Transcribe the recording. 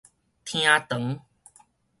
廳堂